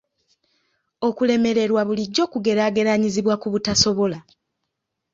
Okulemererwa bulijjo kugeraageranyizibwa ku butasobola.